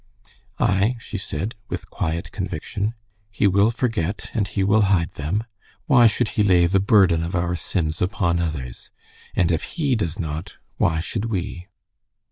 "Ay," she said, with quiet conviction, "he will forget, and he will hide them. Why should he lay the burden of our sins upon others? And if he does not why should we?"